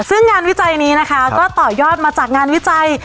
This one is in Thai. ซึ่งงานวิจัยนี้นะคะก็ต่อยอดมาจากงานวิจัย